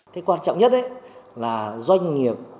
thì quan trọng nhất là doanh nghiệp